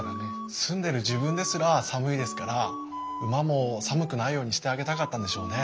住んでる自分ですら寒いですから馬も寒くないようにしてあげたかったんでしょうね。